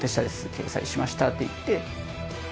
掲載しました！」っていって。